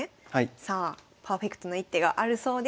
さあパーフェクトな一手があるそうです。